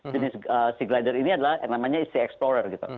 jenis glider ini adalah yang namanya sea explorer